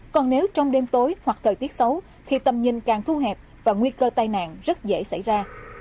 còn nếu trong đêm tối hoặc thời tiết xấu thì tầm nhìn càng thu hẹp và nguy cơ tai nạn rất dễ xảy ra